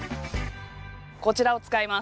こちらを使います。